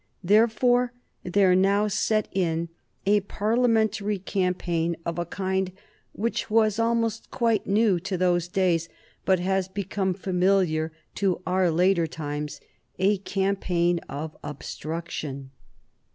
Therefore there now set in a Parliamentary campaign of a kind which was almost quite new to those days, but has become familiar to our later times a campaign of obstruction.